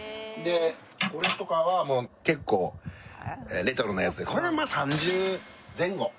これとかはもう結構レトロなやつでこれまあ３０前後。